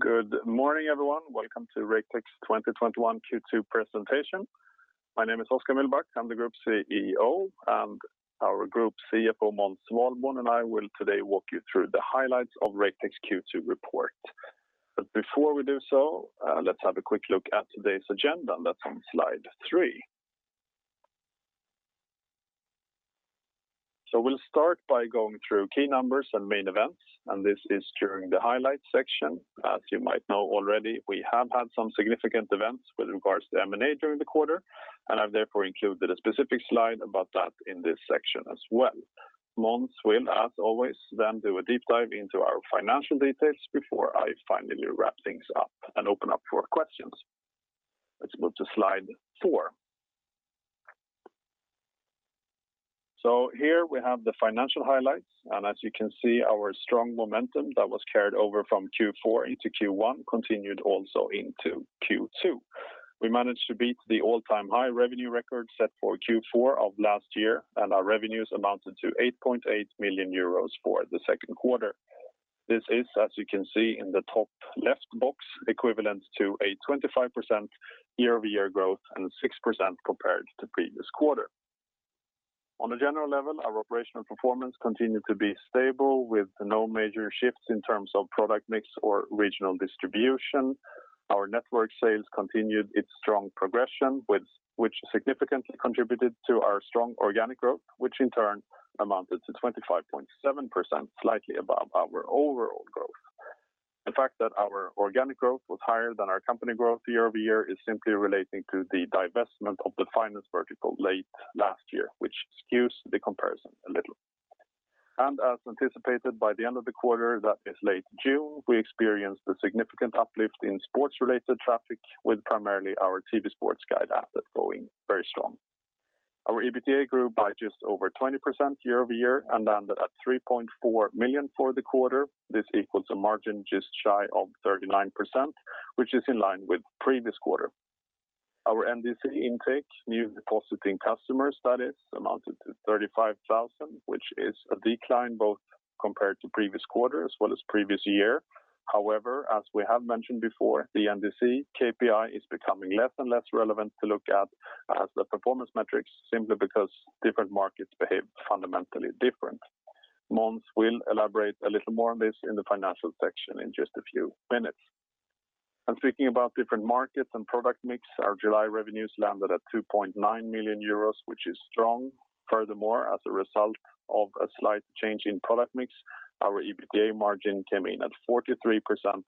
Good morning, everyone. Welcome to Raketech's 2021 Q2 presentation. My name is Oskar Mühlbach. I'm the Group CEO, and our Group CFO, Måns Svalborn, and I will today walk you through the highlights of Raketech's Q2 report. Before we do so, let's have a quick look at today's agenda, and that's on slide three. We'll start by going through key numbers and main events, and this is during the highlights section. As you might know already, we have had some significant events with regards to M&A during the quarter, and I've therefore included a specific slide about that in this section as well. Måns will, as always, then do a deep dive into our financial details before I finally wrap things up and open up for questions. Let's move to slide four. Here we have the financial highlights, and as you can see, our strong momentum that was carried over from Q4 into Q1 continued also into Q2. We managed to beat the all-time high revenue record set for Q4 of last year, and our revenues amounted to 8.8 million euros for the second quarter. This is, as you can see in the top left box, equivalent to a 25% year-over-year growth and 6% compared to previous quarter. On a general level, our operational performance continued to be stable, with no major shifts in terms of product mix or regional distribution. Our network sales continued its strong progression, which significantly contributed to our strong organic growth, which in turn amounted to 25.7%, slightly above our overall growth. The fact that our organic growth was higher than our company growth year-over-year is simply relating to the divestment of the finance vertical late last year, which skews the comparison a little. As anticipated by the end of the quarter, that is late June, we experienced a significant uplift in sports-related traffic, with primarily our TV sports guide asset going very strong. Our EBITDA grew by just over 20% year-over-year and landed at 3.4 million for the quarter. This equals a margin just shy of 39%, which is in line with previous quarter. Our NDC intake, new depositing customers, that is, amounted to 35,000, which is a decline both compared to previous quarter as well as previous year. However, as we have mentioned before, the NDC KPI is becoming less and less relevant to look at as the performance metrics, simply because different markets behave fundamentally different. Måns will elaborate a little more on this in the financial section in just a few minutes. Speaking about different markets and product mix, our July revenues landed at 2.9 million euros, which is strong. Furthermore, as a result of a slight change in product mix, our EBITDA margin came in at 43%,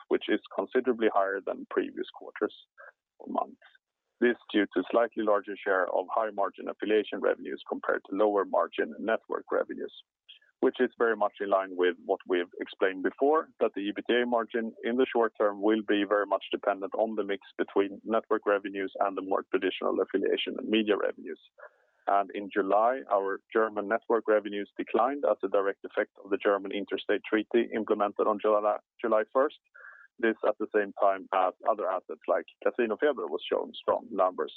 which is considerably higher than previous quarters or months. This is due to slightly larger share of high margin affiliation revenues compared to lower margin network revenues, which is very much in line with what we've explained before, that the EBITDA margin in the short term will be very much dependent on the mix between network revenues and the more traditional affiliation and media revenues. In July, our German network revenues declined as a direct effect of the German Interstate Treaty implemented on July 1st. This at the same time had other assets like CasinoFeber was showing strong numbers,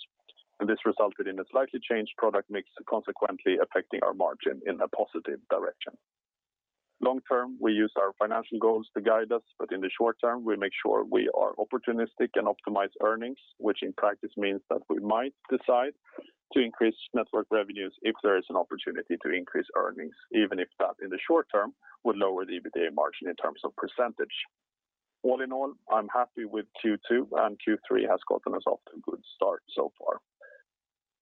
and this resulted in a slightly changed product mix, consequently affecting our margin in a positive direction. Long term, we use our financial goals to guide us, but in the short term, we make sure we are opportunistic and optimize earnings, which in practice means that we might decide to increase network revenues if there is an opportunity to increase earnings, even if that, in the short term, would lower the EBITDA margin in terms of percentage. All in all, I'm happy with Q2, and Q3 has gotten us off to a good start so far.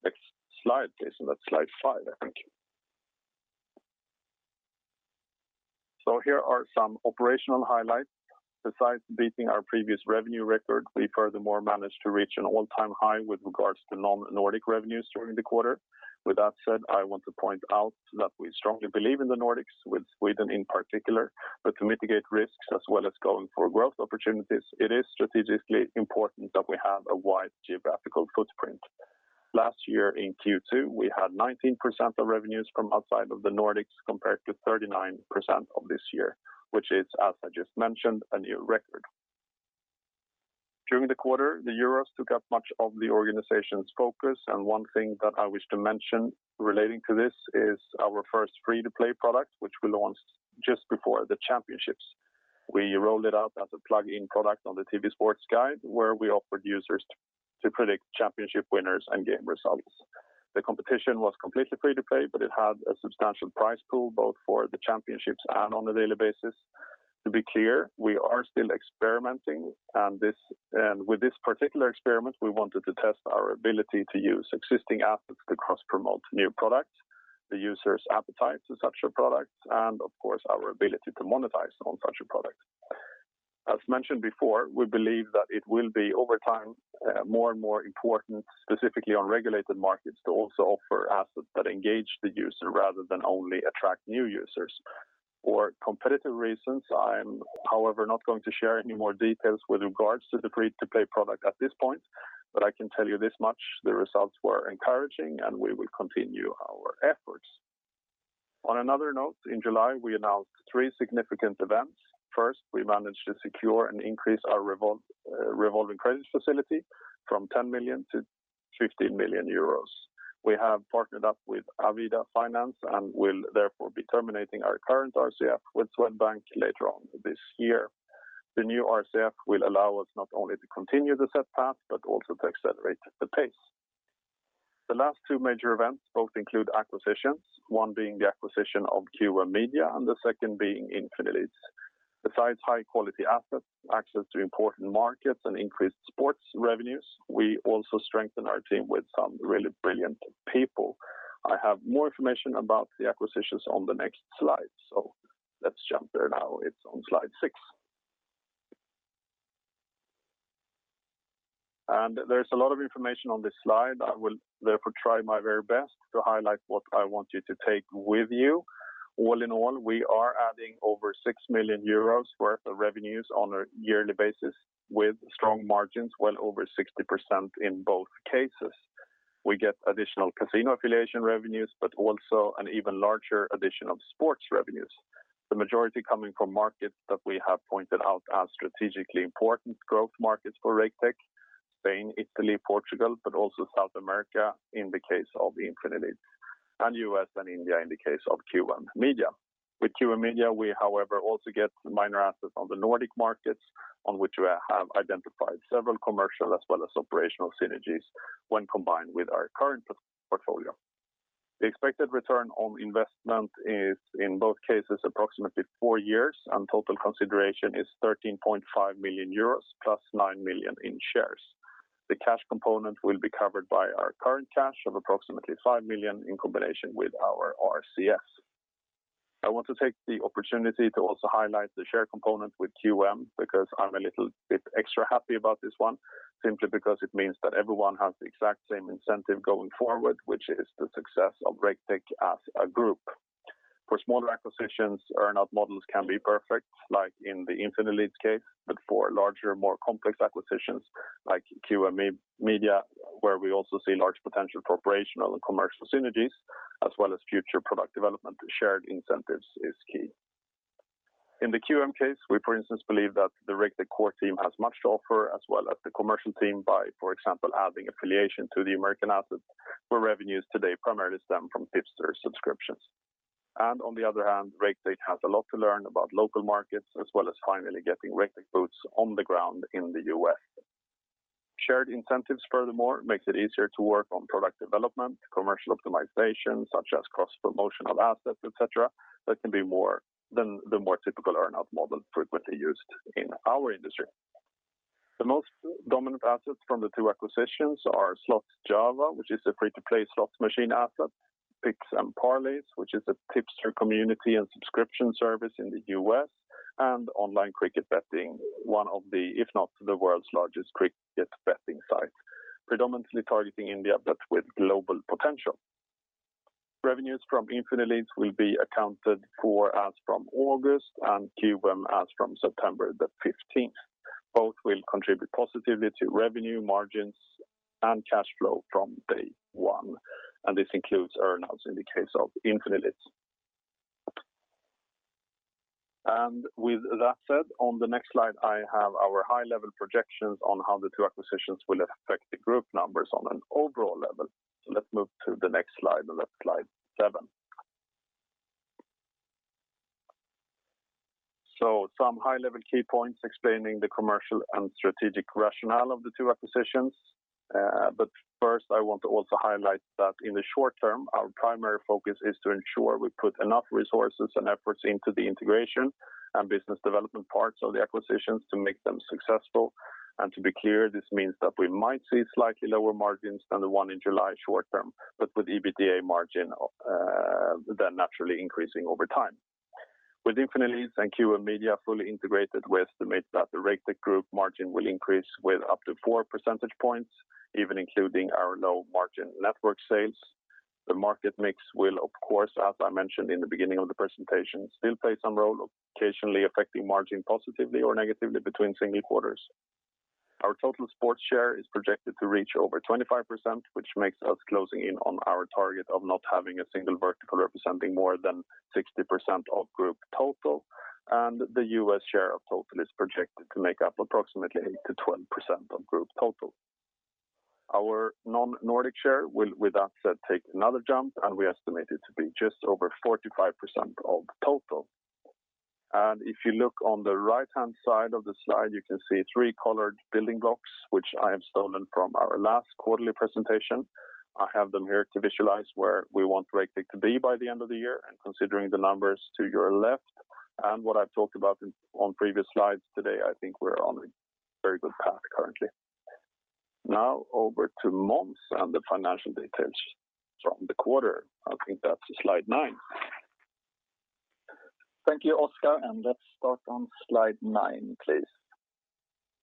Next slide, please, and that's slide five, I think. Here are some operational highlights. Besides beating our previous revenue record, we furthermore managed to reach an all-time high with regards to non-Nordic revenues during the quarter. With that said, I want to point out that we strongly believe in the Nordics, with Sweden in particular. To mitigate risks as well as going for growth opportunities, it is strategically important that we have a wide geographical footprint. Last year in Q2, we had 19% of revenues from outside of the Nordics compared to 39% of this year, which is, as I just mentioned, a new record. During the quarter, the Euros took up much of the organization's focus, and one thing that I wish to mention relating to this is our first free-to-play product, which we launched just before the championships. We rolled it out as a plug-in product on the TV sports guide, where we offered users to predict championship winners and game results. The competition was completely free-to-play, but it had a substantial prize pool, both for the championships and on a daily basis. To be clear, we are still experimenting, and with this particular experiment, we wanted to test our ability to use existing assets to cross-promote new products, the user's appetite to such a product, and of course, our ability to monetize on such a product. As mentioned before, we believe that it will be over time more and more important, specifically on regulated markets, to also offer assets that engage the user rather than only attract new users. For competitive reasons, I'm however not going to share any more details with regards to the free-to-play product at this point, but I can tell you this much: the results were encouraging and we will continue our efforts. On another note, in July, we announced three significant events. First, we managed to secure and increase our revolving credit facility from 10 million to 50 million euros. We have partnered up with Avida Finans and will therefore be terminating our current RCF with Swedbank later on this year. The new RCF will allow us not only to continue the set path, but also to accelerate the pace. The last two major events both include acquisitions, one being the acquisition of QM Media and the second being Infinileads. Besides high-quality assets, access to important markets, and increased sports revenues, we also strengthen our team with some really brilliant people. I have more information about the acquisitions on the next slide, so let's jump there now. It's on slide six. There's a lot of information on this slide. I will therefore try my very best to highlight what I want you to take with you. All in all, we are adding over 6 million euros worth of revenues on a yearly basis with strong margins, well over 60% in both cases. We get additional casino affiliation revenues, but also an even larger addition of sports revenues. The majority coming from markets that we have pointed out as strategically important growth markets for Raketech, Spain, Italy, Portugal, but also South America in the case of Infinileads, and U.S. and India in the case of QM Media. With QM Media, we, however, also get minor assets on the Nordic markets, on which we have identified several commercial as well as operational synergies when combined with our current portfolio. The expected return on investment is, in both cases, approximately four years, and total consideration is 13.5 million euros, plus 9 million in shares. The cash component will be covered by our current cash of approximately 5 million in combination with our RCF. I want to take the opportunity to also highlight the share component with QM because I'm a little bit extra happy about this one, simply because it means that everyone has the exact same incentive going forward, which is the success of Raketech as a group. For smaller acquisitions, earn-out models can be perfect, like in the Infinileads case, but for larger, more complex acquisitions like QM Media, where we also see large potential for operational and commercial synergies, as well as future product development, shared incentives is key. In the QM case, we, for instance, believe that the Raketech core team has much to offer, as well as the commercial team by, for example, adding affiliation to the American assets, where revenues today primarily stem from tipster subscriptions. On the other hand, Raketech has a lot to learn about local markets, as well as finally getting Raketech boots on the ground in the U.S. Shared incentives, furthermore, makes it easier to work on product development, commercial optimization, such as cross-promotional assets, et cetera, than the more typical earn-out model frequently used in our industry. The most dominant assets from the two acquisitions are Slotjava, which is a free-to-play slots machine asset, Picks and Parlays, which is a tipster community and subscription service in the U.S., and Online Cricket Betting, one of the, if not the world's largest cricket betting site, predominantly targeting India, but with global potential. Revenues from Infinileads will be accounted for as from August and QM as from September the 15th. Both will contribute positively to revenue margins and cash flow from day one, and this includes earn-outs in the case of Infinileads. With that said, on the next slide, I have our high-level projections on how the two acquisitions will affect the group numbers on an overall level. Let's move to the next slide, and that's slide seven. Some high-level key points explaining the commercial and strategic rationale of the two acquisitions. First, I want to also highlight that in the short term, our primary focus is to ensure we put enough resources and efforts into the integration and business development parts of the acquisitions to make them successful. To be clear, this means that we might see slightly lower margins than the one in July short term, but with EBITDA margin then naturally increasing over time. With Infinileads and QM Media fully integrated, we estimate that the Raketech Group margin will increase with up to 4 percentage points, even including our low-margin network sales. The market mix will, of course, as I mentioned in the beginning of the presentation, still play some role, occasionally affecting margin positively or negatively between single quarters. Our total sports share is projected to reach over 25%, which makes us closing in on our target of not having a single vertical representing more than 60% of group total. The U.S. share of total is projected to make up approximately 8%-12% of group total. Our non-Nordic share will, with that said, take another jump, and we estimate it to be just over 45% of total. If you look on the right-hand side of the slide, you can see three colored building blocks, which I have stolen from our last quarterly presentation. I have them here to visualize where we want Raketech to be by the end of the year. Considering the numbers to your left and what I've talked about on previous slides today, I think we're on a very good path currently. Now, over to Måns and the financial details from the quarter. I think that's slide nine. Thank you, Oskar. Let's start on slide nine, please.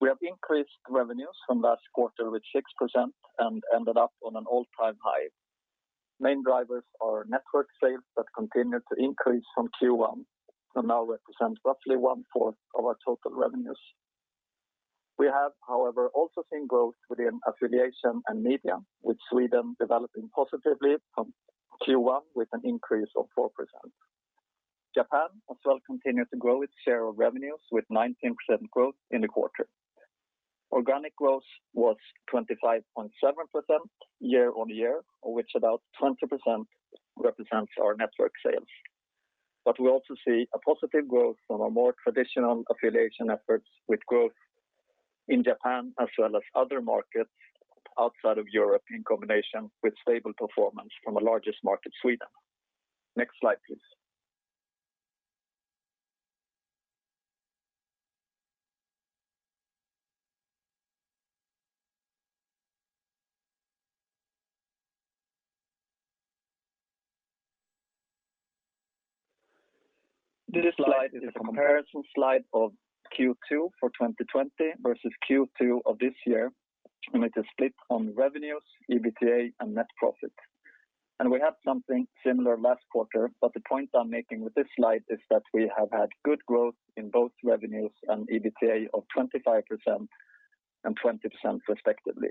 We have increased revenues from last quarter with 6% and ended up on an all-time high. Main drivers are network sales that continued to increase from Q1 and now represent roughly one-fourth of our total revenues. We have, however, also seen growth within affiliation and media, with Sweden developing positively from Q1 with an increase of 4%. Japan as well continued to grow its share of revenues with 19% growth in the quarter. Organic growth was 25.7% year-over-year, of which about 20% represents our network sales. We also see a positive growth from our more traditional affiliation efforts with growth in Japan as well as other markets outside of Europe in combination with stable performance from the largest market, Sweden. Next slide, please. This slide is a comparison slide of Q2 for 2020 versus Q2 of this year, and it is split on revenues, EBITDA, and net profit. We had something similar last quarter, but the point I'm making with this slide is that we have had good growth in both revenues and EBITDA of 25% and 20% respectively.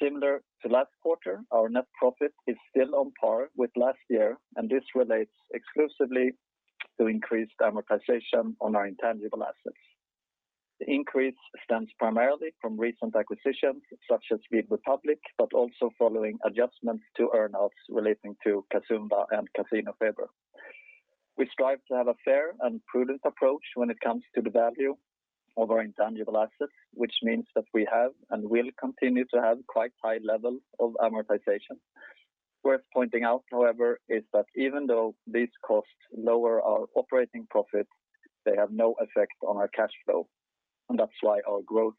Similar to last quarter, our net profit is still on par with last year, and this relates exclusively to increased amortization on our intangible assets. The increase stems primarily from recent acquisitions such as Lead Republik, but also following adjustments to earnouts relating to Casumba and CasinoFeber. We strive to have a fair and prudent approach when it comes to the value of our intangible assets, which means that we have, and will continue to have, quite high levels of amortization. Worth pointing out, however, is that even though these costs lower our operating profit, they have no effect on our cash flow, and that's why our growth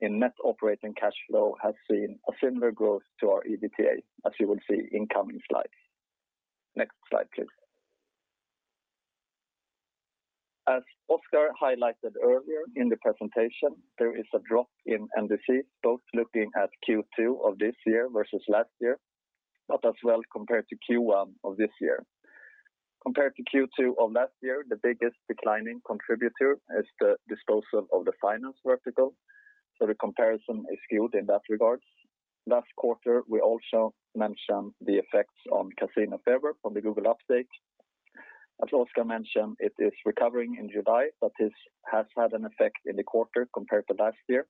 in net operating cash flow has seen a similar growth to our EBITDA, as you will see in coming slides. Next slide, please. As Oskar highlighted earlier in the presentation, there is a drop in NDC, both looking at Q2 of this year versus last year, but as well compared to Q1 of this year. Compared to Q2 of last year, the biggest declining contributor is the disposal of the finance vertical. The comparison is skewed in that regard. Last quarter, we also mentioned the effects on CasinoFeber from the Google update. As Oskar mentioned, it is recovering in July, but this has had an effect in the quarter compared to last year.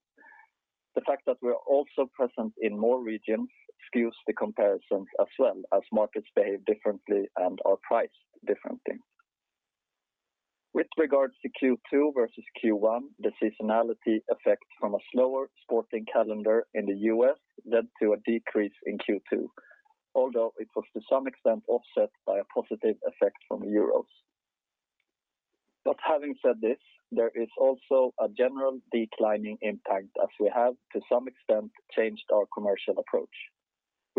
The fact that we're also present in more regions skews the comparison as well, as markets behave differently and are priced differently. With regards to Q2 versus Q1, the seasonality effect from a slower sporting calendar in the U.S. led to a decrease in Q2, although it was to some extent offset by a positive effect from the Euros. Having said this, there is also a general declining impact as we have, to some extent, changed our commercial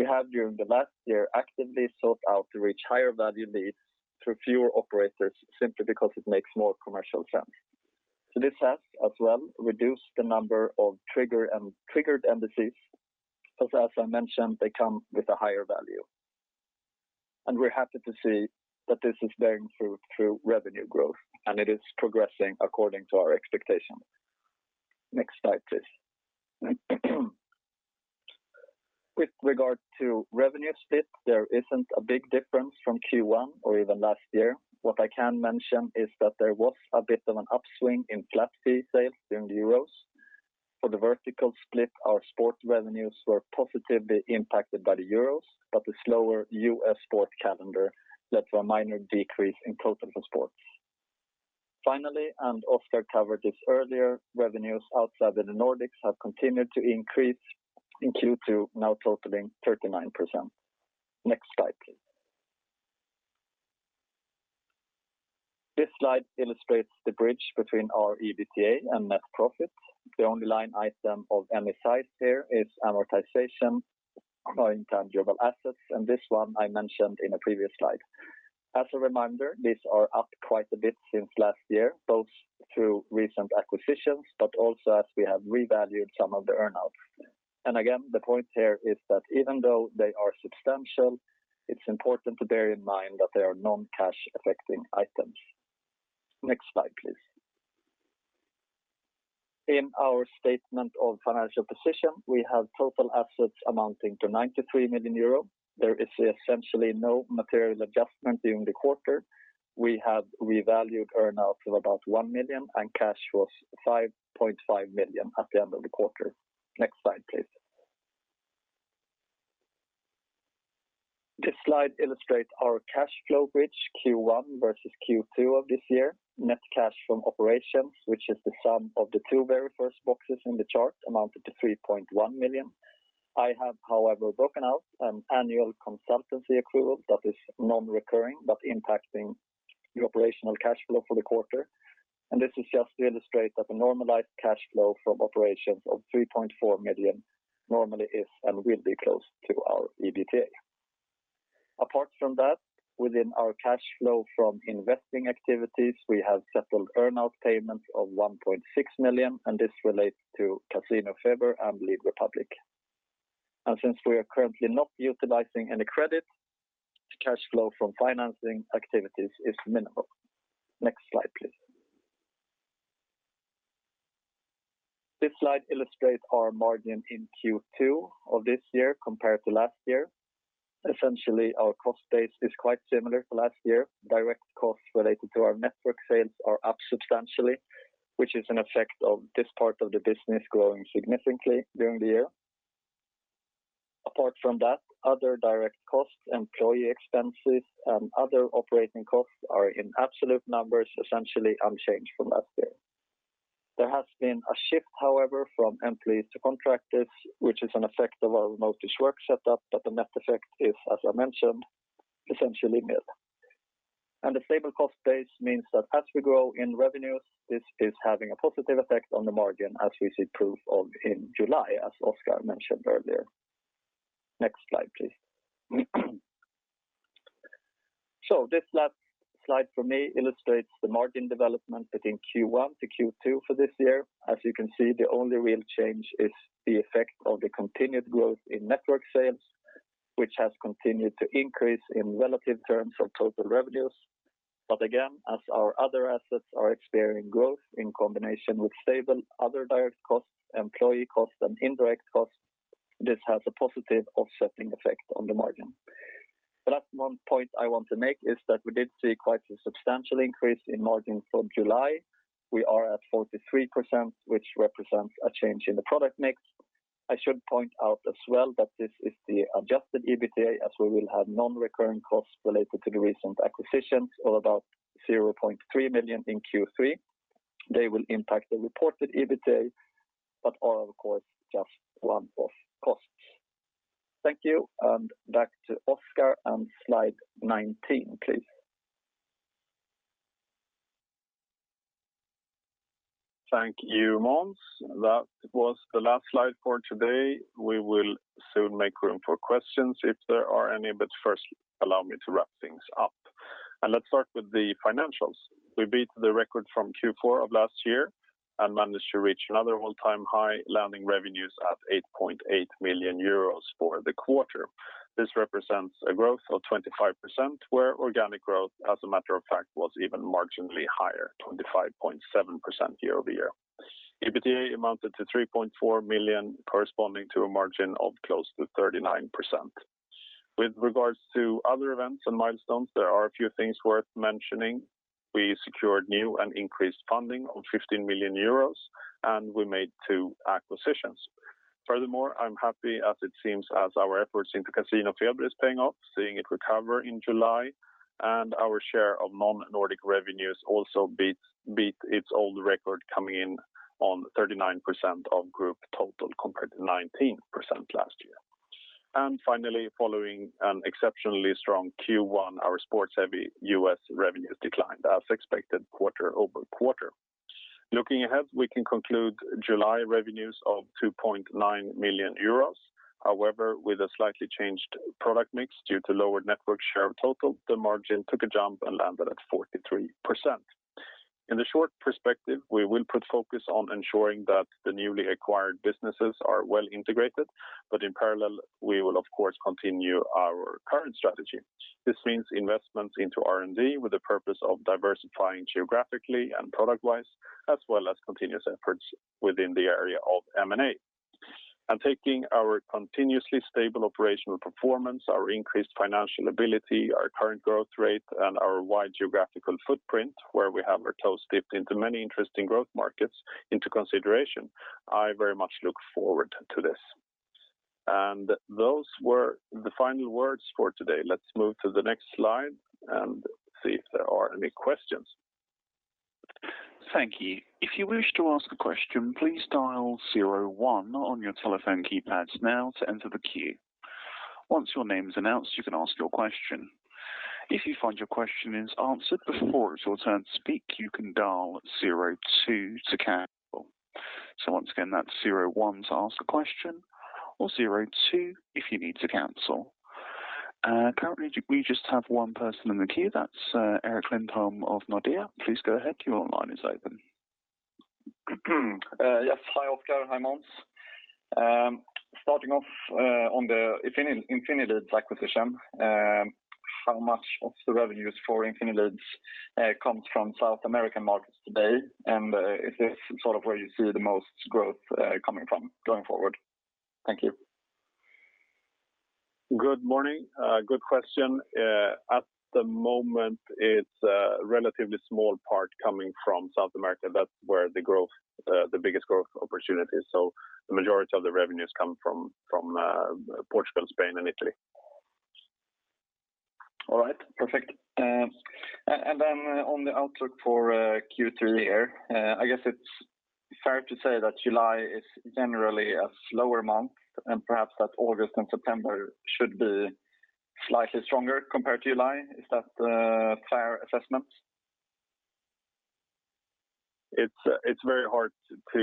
approach. We have, during the last year, actively sought out to reach higher value leads through fewer operators simply because it makes more commercial sense. This has as well reduced the number of triggered NDCs, because as I mentioned, they come with a higher value. We're happy to see that this is bearing fruit through revenue growth, and it is progressing according to our expectation. Next slide, please. With regard to revenue split, there isn't a big difference from Q1 or even last year. What I can mention is that there was a bit of an upswing in flat-fee sales during the Euros. For the vertical split, our sports revenues were positively impacted by the Euros, but the slower U.S. sports calendar led to a minor decrease in total for sports. Finally, and Oskar covered this earlier, revenues outside of the Nordics have continued to increase in Q2, now totaling 39%. Next slide, please. This slide illustrates the bridge between our EBITDA and net profit. The only line item of any size here is amortization of intangible assets, and this one I mentioned in a previous slide. As a reminder, these are up quite a bit since last year, both through recent acquisitions, but also as we have revalued some of the earnouts. Again, the point here is that even though they are substantial, it's important to bear in mind that they are non-cash-affecting items. Next slide, please. In our statement of financial position, we have total assets amounting to 93 million euro. There is essentially no material adjustment during the quarter. We have revalued earnouts of about 1 million, and cash was 5.5 million at the end of the quarter. Next slide, please. This slide illustrates our cash flow bridge Q1 versus Q2 of this year. Net cash from operations, which is the sum of the two very first boxes in the chart, amounted to 3.1 million. I have, however, broken out an annual consultancy accrual that is non-recurring, but impacting the operational cash flow for the quarter. This is just to illustrate that the normalized cash flow from operations of 3.4 million normally is and will be close to our EBITDA. Apart from that, within our cash flow from investing activities, we have settled earnout payments of 1.6 million, and this relates to CasinoFeber and Lead Republik. Since we are currently not utilizing any credit, cash flow from financing activities is minimal. Next slide, please. This slide illustrates our margin in Q2 of this year compared to last year. Essentially, our cost base is quite similar to last year. Direct costs related to our network sales are up substantially, which is an effect of this part of the business growing significantly during the year. Apart from that, other direct costs, employee expenses, and other operating costs are in absolute numbers, essentially unchanged from last year. There has been a shift, however, from employees to contractors, which is an effect of our remote-ish work setup, but the net effect is, as I mentioned, essentially nil. A stable cost base means that as we grow in revenues, this is having a positive effect on the margin, as we see proof of in July, as Oskar mentioned earlier. Next slide, please. This last slide from me illustrates the margin development between Q1 to Q2 for this year. As you can see, the only real change is the effect of the continued growth in network sales, which has continued to increase in relative terms of total revenues. Again, as our other assets are experiencing growth in combination with stable other direct costs, employee costs, and indirect costs, this has a positive offsetting effect on the margin. The last point I want to make is that we did see quite a substantial increase in margin from July. We are at 43%, which represents a change in the product mix. I should point out as well that this is the Adjusted EBITDA, as we will have non-recurring costs related to the recent acquisitions of about 0.3 million in Q3. They will impact the reported EBITDA, but are, of course, just one-off costs. Thank you, and back to Oskar on slide 19, please. Thank you, Måns. That was the last slide for today. We will soon make room for questions if there are any, but first, allow me to wrap things up. Let's start with the financials. We beat the record from Q4 of last year and managed to reach another all-time high, landing revenues at 8.8 million euros for the quarter. This represents a growth of 25%, where organic growth, as a matter of fact, was even marginally higher, 25.7% year-over-year. EBITDA amounted to 3.4 million, corresponding to a margin of close to 39%. With regards to other events and milestones, there are a few things worth mentioning. We secured new and increased funding of 15 million euros, and we made two acquisitions. Furthermore, I'm happy as it seems as our efforts into CasinoFeber is paying off, seeing it recovered in July, and our share of non-Nordic revenues also beat its old record, coming in on 39% of group total compared to 19% last year. Finally, following an exceptionally strong Q1, our sports-heavy U.S. revenues declined as expected quarter-over-quarter. Looking ahead, we can conclude July revenues of 2.9 million euros. However, with a slightly changed product mix due to lower network share of total, the margin took a jump and landed at 43%. In the short perspective, we will put focus on ensuring that the newly acquired businesses are well integrated, in parallel, we will of course continue our current strategy. This means investments into R&D with the purpose of diversifying geographically and product-wise, as well as continuous efforts within the area of M&A. Taking our continuously stable operational performance, our increased financial ability, our current growth rate, and our wide geographical footprint, where we have our toes dipped into many interesting growth markets into consideration, I very much look forward to this. Those were the final words for today. Let's move to the next slide and see if there are any questions. Thank you. If you wish to ask a question, please dial zero one on your telephone keypads now to enter the queue. Once your name is announced, you can ask your question. If you find your question is answered before it is your turn to speak, you can dial zero two to cancel. Once again that's zero one to ask question or zero two if you need to cancel. Currently, we just have one person in the queue. That's Erik Lindholm of Nordea. Please go ahead. Your line is open. Yes. Hi, Oskar. Hi, Måns. Starting off on the Infinileads acquisition, how much of the revenues for Infinileads comes from South American markets today? Is this sort of where you see the most growth coming from going forward? Thank you. Good morning. Good question. At the moment, it's a relatively small part coming from South America. That's where the biggest growth opportunity is. The majority of the revenues come from Portugal, Spain, and Italy. All right, perfect. On the outlook for Q3 here, I guess it's fair to say that July is generally a slower month, and perhaps that August and September should be slightly stronger compared to July. Is that a fair assessment? It's very hard to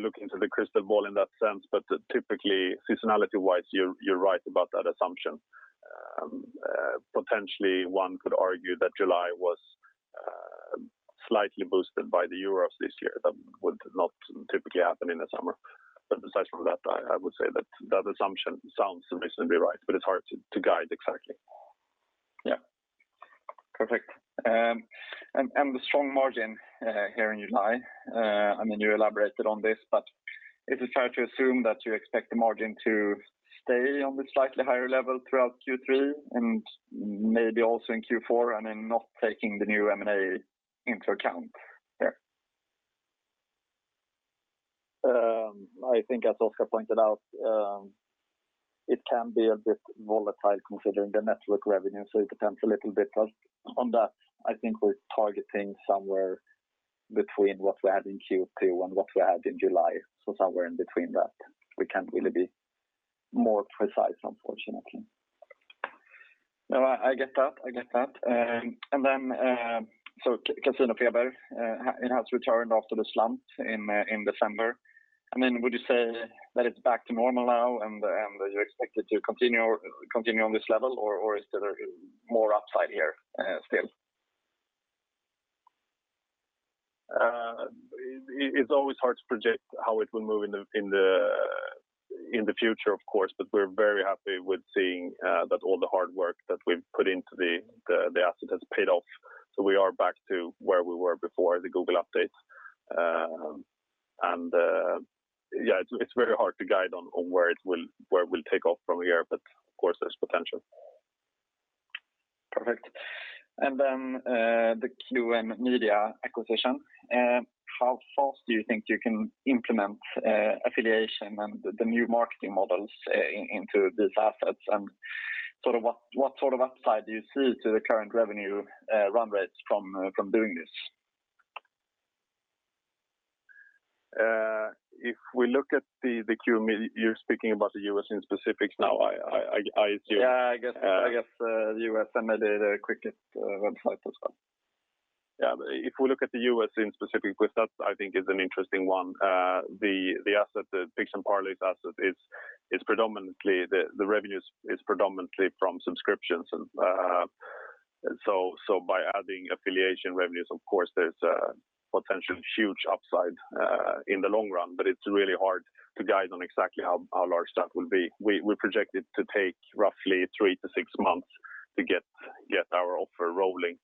look into the crystal ball in that sense. Typically, seasonality-wise, you're right about that assumption. Potentially, one could argue that July was slightly boosted by the Euros this year. That would not typically happen in the summer. Aside from that, I would say that that assumption sounds reasonably right, but it's hard to guide exactly. Yeah. Perfect. The strong margin here in July, you elaborated on this, but is it fair to assume that you expect the margin to stay on the slightly higher level throughout Q3 and maybe also in Q4 and then not taking the new M&A into account there? I think as Oskar pointed out, it can be a bit volatile considering the network revenue. It depends a little bit on that. I think we're targeting somewhere between what we had in Q2 and what we had in July. Somewhere in between that. We can't really be more precise, unfortunately. No, I get that. CasinoFeber, it has returned after the slump in December. Would you say that it's back to normal now and you expect it to continue on this level, or is there more upside here still? It's always hard to project how it will move in the future, of course. We're very happy with seeing that all the hard work that we've put into the asset has paid off. We are back to where we were before the Google updates. Yeah, it's very hard to guide on where it will take off from here, of course, there's potential. Perfect. The QM Media acquisition. How fast do you think you can implement affiliation and the new marketing models into these assets and what sort of upside do you see to the current revenue run rates from doing this? You're speaking about the U.S. in specifics now, I assume. Yeah, I guess the U.S. MLB the cricket website as well. Yeah. If we look at the U.S. in specific, because that I think is an interesting one. The Picks and Parlays asset, the revenue is predominantly from subscriptions. By adding affiliation revenues, of course, there's a potentially huge upside in the long run, but it's really hard to guide on exactly how large that will be. We project it to take roughly 3 to 6 months to get our offer rolling.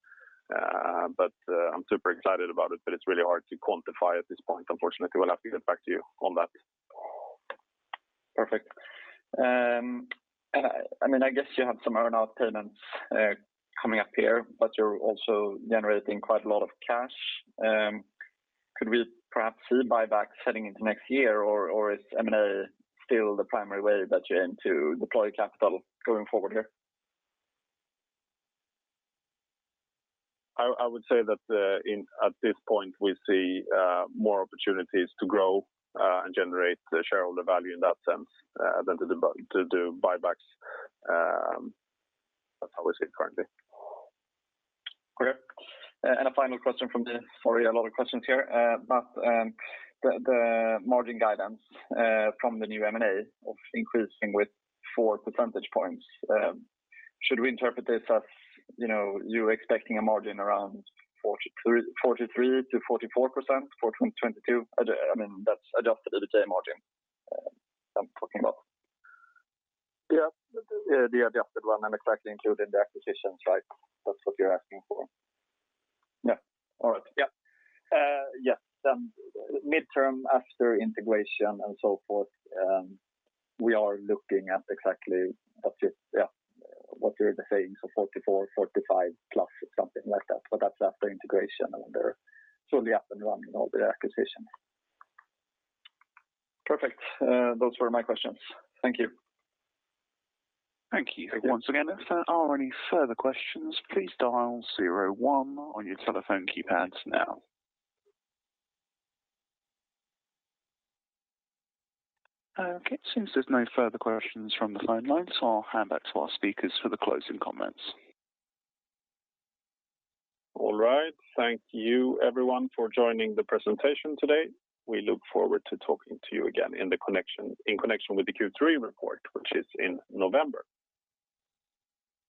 I'm super excited about it, but it's really hard to quantify at this point, unfortunately. We'll have to get back to you on that Perfect. I guess you have some earn-out payments coming up here, but you're also generating quite a lot of cash. Could we perhaps see buyback heading into next year, or is M&A still the primary way that you aim to deploy capital going forward here? I would say that at this point, we see more opportunities to grow and generate shareholder value in that sense than to do buybacks. That is how we see it currently. Correct. A final question from me. Sorry, a lot of questions here. The margin guidance from the new M&A of increasing with 4 percentage points. Should we interpret this as you expecting a margin around 43% to 44% for 2022? That's Adjusted EBITDA margin I'm talking about. Yeah. The adjusted one, I am exactly including the acquisitions, right? That is what you are asking for? Yeah. All right. Yeah. Midterm, after integration and so forth, we are looking at exactly that, what you're saying, 44, 45+ or something like that. That's after integration when they're fully up and running, all the acquisitions. Perfect. Those were my questions. Thank you. Thank you. Once again, if there are any further questions, please dial zero one on your telephone keypads now. Okay, it seems there's no further questions from the phone lines. I'll hand back to our speakers for the closing comments. All right. Thank you everyone for joining the presentation today. We look forward to talking to you again in connection with the Q3 report, which is in November.